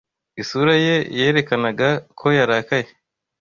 Isura ye yerekanaga ko yarakaye.